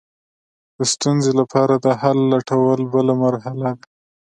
د ستونزې لپاره د حل لټول بله مرحله ده.